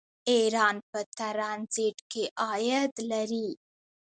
ایران په ټرانزیټ کې عاید لري.